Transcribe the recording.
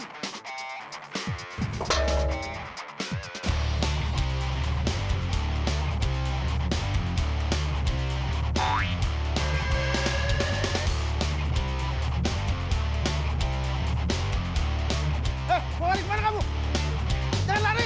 he kemana kamu jangan lari